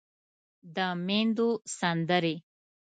د ميندو سندرې